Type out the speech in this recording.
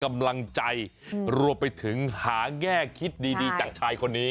กำลังใจรวมไปถึงหาแง่คิดดีจากชายคนนี้